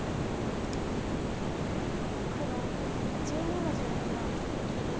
黒１２の十七切り。